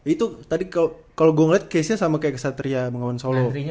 itu tadi kalo gue liat casenya sama kayak ksatria bangkawan solo